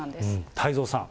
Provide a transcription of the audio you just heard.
太蔵さん。